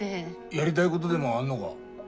やりたいごどでもあんのが？